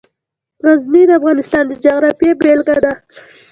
غزني د افغانستان د جغرافیې بېلګه ده.